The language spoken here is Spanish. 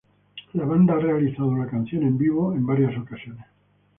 La banda ha realizado la canción en vivo en varias ocasiones.